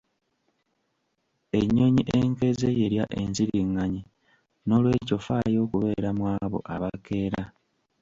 Ennyonyi enkeeze y'erya ensiringanyi nolwekyo faayo okubeera mu abo abakeera.